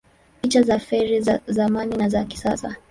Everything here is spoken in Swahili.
Picha za feri za zamani na za kisasa